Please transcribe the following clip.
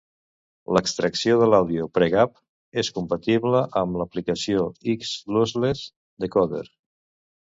L'extracció de l'àudio pregap és compatible amb l'aplicació X Lossless Decoder.